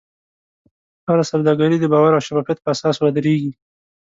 هره سوداګري د باور او شفافیت په اساس ودریږي.